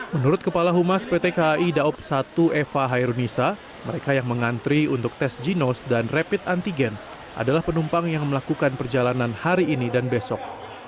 menurut kepala humas pt kai daob satu eva hairunisa mereka yang mengantri untuk tes ginos dan rapid antigen adalah penumpang yang melakukan perjalanan hari ini dan besok